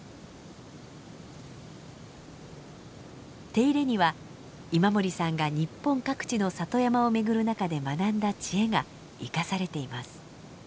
手入れには今森さんが日本各地の里山を巡る中で学んだ知恵が生かされています。